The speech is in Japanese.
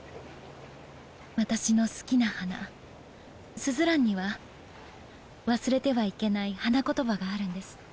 私の好きな花鈴蘭には忘れてはいけない花言葉があるんです。